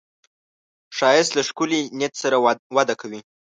ښایست له ښکلي نیت سره وده کوي